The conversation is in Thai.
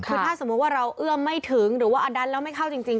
คือถ้าสมมุติว่าเราเอื้อมไม่ถึงหรือว่าดันแล้วไม่เข้าจริง